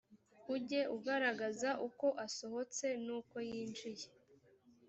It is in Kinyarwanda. ujye ugaragaza uko asohotse n’uko yinjiye